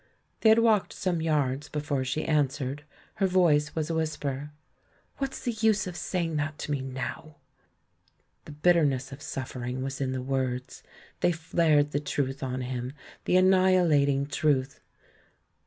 They had walked some yards before she an swered; her voice was a whisper; "What's the use of saying that to me now?" The bitterness of suffering was in the words — they flared the truth on him, the annihilating truth.